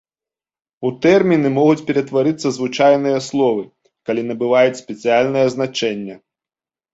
У тэрміны могуць ператварацца звычайныя словы, калі набываюць спецыяльнае значэнне.